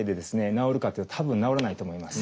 治るかっていうとたぶん治らないと思います。